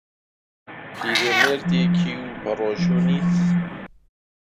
پیرەمێردێکی و بەڕۆژوو نیت